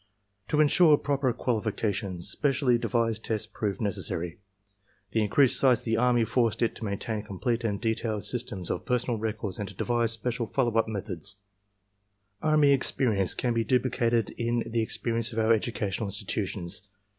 To insure proper quali fications, specially devised tests proved necessary. The in creased size of the army forced it to maintain complete and detailed systems of personnel records and to devise special 'follow up' methods. " Army experience can be duplicated in the experience of our educational institutions.